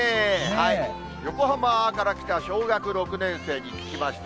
横浜から来た小学６年生に聞きました。